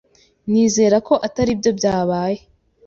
Nizere ko atari byo byabaye.